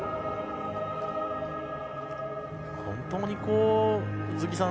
本当に宇津木さん